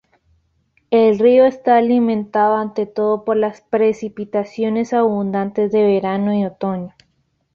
El río está alimentado ante todo por las precipitaciones abundantes de verano y otoño.